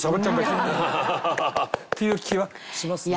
っていう気はしますね。